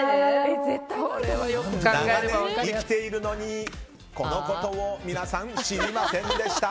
長年生きているのに、このことを皆さん知りませんでした。